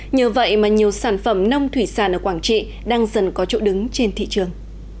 nhờ vậy mà nhiều sản phẩm nông thủy sản ở quảng trị đang dần có chỗ đứng trên thị trường